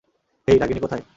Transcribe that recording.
হেই, রাগিনী কোথায়?